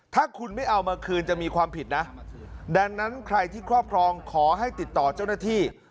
ถ้าคุณไม่เอามาคืนจะมีความผิดนะดังนั้นใครที่ครอบครองขอให้ติดต่อเจ้าหน้าที่